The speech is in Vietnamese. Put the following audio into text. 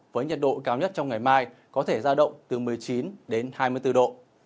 với nhiệt độ cao nhất trong ngày mai có thể ra động từ một mươi chín đến hai mươi bốn độ